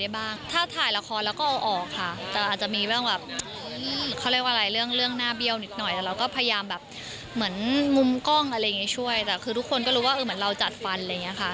แบบเหมือนมุมกล้องอะไรอย่างนี้ช่วยแต่คือทุกคนก็รู้ว่าเหมือนเราจัดฟันอะไรอย่างนี้ค่ะ